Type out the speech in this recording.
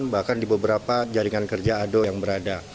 bahkan di beberapa jaringan kerja ado yang berada